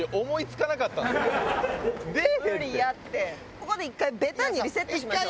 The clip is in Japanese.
ここで１回ベタにリセットしましょう。